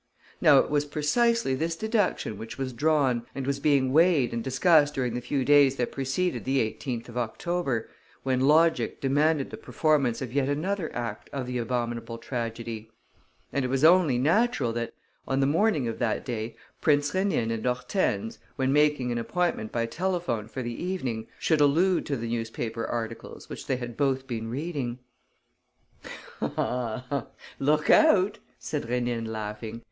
Now it was precisely this deduction which was drawn and was being weighed and discussed during the few days that preceded the 18th of October, when logic demanded the performance of yet another act of the abominable tragedy. And it was only natural that, on the morning of that day, Prince Rénine and Hortense, when making an appointment by telephone for the evening, should allude to the newspaper articles which they had both been reading: "Look out!" said Rénine, laughing.